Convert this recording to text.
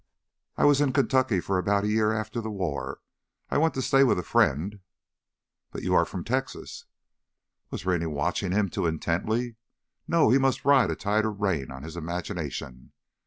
"I was in Kentucky for about a year after the war. I went to stay with a friend—" "But you are from Texas?" Was Rennie watching him too intently? No, he must ride a tighter rein on his imagination.